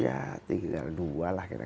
ya tinggal dua lah kira kira